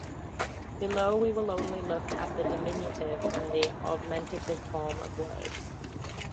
Below we will only look at the diminutive and the augmentative forms of words.